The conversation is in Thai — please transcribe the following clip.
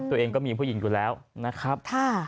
ตัวเองก็มีผู้หญิงอยู่แล้วนะครับ